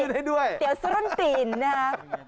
แต่ว่าส้นตีนนะครับ